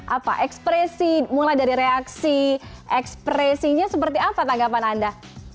apa ekspresi mulai dari reaksi ekspresinya seperti apa tanggapan anda